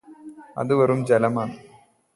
അത് വെറും ജലമാണ്